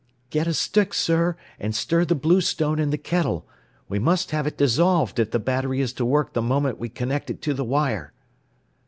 "Get a stick, sir, and stir the bluestone in the kettle. We must have it dissolved if the battery is to work the moment we connect it to the wire."